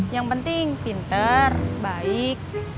yang penting pinter baik